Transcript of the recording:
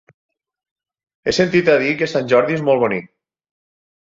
He sentit a dir que Sant Jordi és molt bonic.